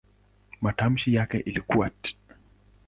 Matamshi yake ilikuwa "t".